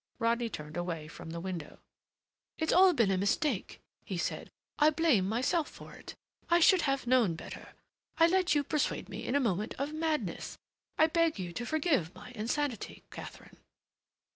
Rodney turned away from the window. "It's all been a mistake," he said. "I blame myself for it. I should have known better. I let you persuade me in a moment of madness. I beg you to forget my insanity, Katharine."